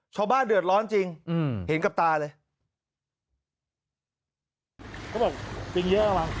ชาวบ้านเดือดร้อนจริงเห็นกับตาเลย